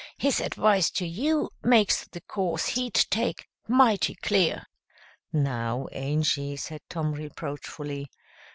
"His advice to you makes the course he'd take mighty clear." "Now, Angy!" said Tom reproachfully.